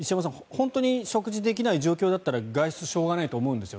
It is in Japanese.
本当に食事できない状況なら外出もしょうがないと思うんです。